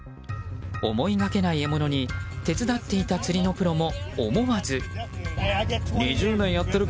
思いがけない獲物に手伝っていた釣りのプロも思わず。